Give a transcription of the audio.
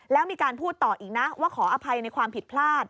แล้วมีการพูดต่ออีกนะว่าขออภัยในความผิดพลาด